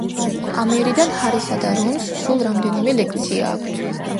ამიერიდან ჰარისა და რონს სულ რამდენიმე ლექცია აქვთ.